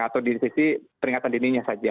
atau di sisi peringatan dininya saja